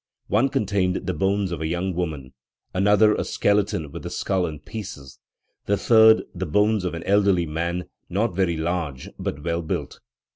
One contained the bones of a young woman, another a skeleton with the skull in pieces, the third the bones of an "elderly man, not very large, but well built".